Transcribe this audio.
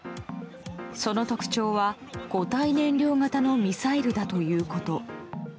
その特徴は固体燃料型のミサイルだということ。